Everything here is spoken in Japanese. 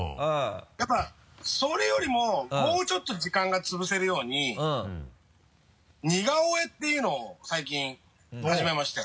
やっぱそれよりももうちょっと時間がつぶせるように似顔絵っていうのを最近はじめまして。